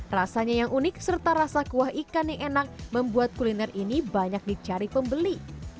rasanya yang unik serta rasa kuah ikan yang enak membuat kuliner ini banyak dicari pembeli